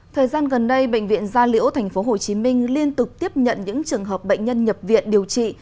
thời gian gần đây bệnh viện gia liễu tp hcm liên tục tiếp nhận những trường hợp bệnh nhân nhập viện điều trị